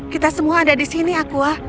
kita semua ada di sini aqua